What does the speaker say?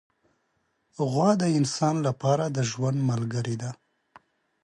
غوا د انسان لپاره د ژوند ملګرې ده.